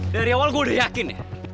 dari awal gue udah yakin ya